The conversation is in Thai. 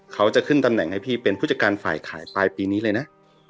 เขาจะขึ้นตำแหน่งให้พี่เป็นผู้จัดการฝ่ายขายปลายปีนี้เลยนะ